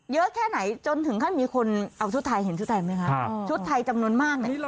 เยอะแค่ไหนจนถึงขั้นมีคนเอาชุดไทยเห็นชุดไทยไหมคะชุดไทยจำนวนมากเนี่ย